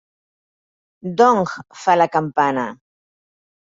"Dong!" fa la campana